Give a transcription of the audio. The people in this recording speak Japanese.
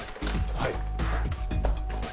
はい。